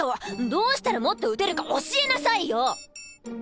どうしたらもっと打てるか教えなさいよ！